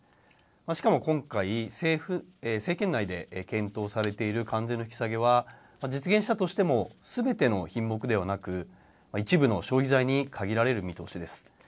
しかも、今回政権内で検討されている関税の引き下げは実現したとしてもすべての品目ではなく一部の消費財に限られる見通しです。